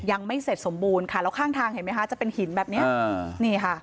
ยังไม่เสร็จสมบูรณ์ค่ะแล้วข้างทางเห็นไหมคะจะเป็นหินแบบเนี้ยอ่านี่ค่ะ